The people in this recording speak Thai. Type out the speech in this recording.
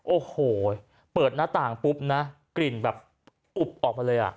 โอ้โหเปิดหน้าต่างปุ๊บนะกลิ่นแบบอุบออกมาเลยอ่ะ